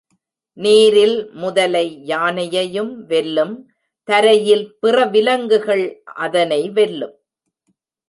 நீரில் முதலை யானையையும் வெல்லும், தரையில் பிற விலங்குகள் அதனை வெல்லும்.